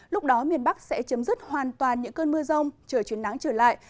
lúc đó miền bắc sẽ chấm dứt hoàn toàn những cơn mưa rông chờ chuyến nắng trở lại